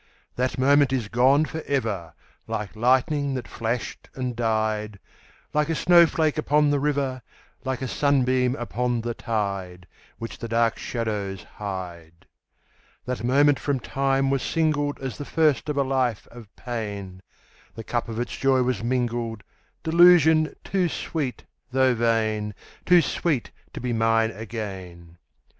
_5 2. That moment is gone for ever, Like lightning that flashed and died Like a snowflake upon the river Like a sunbeam upon the tide, Which the dark shadows hide. _10 3. That moment from time was singled As the first of a life of pain; The cup of its joy was mingled Delusion too sweet though vain! Too sweet to be mine again.